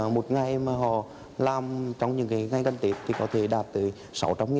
một ngày mà họ làm trong những ngày gần tết thì có thể đạt tới sáu trăm linh bảy trăm linh